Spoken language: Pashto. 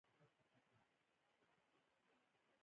لاسا قی نوی راغلی، لا رندان نوی ګرمیږی